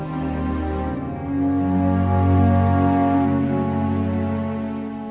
kepada penyelenggaraan penyelenggaraan yang diperbaiki